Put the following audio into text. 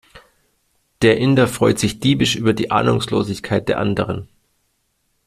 Der Inder freut sich diebisch über die Ahnungslosigkeit der anderen.